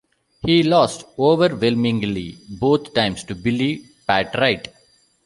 He lost overwhelmingly both times to Billy Pat Wright.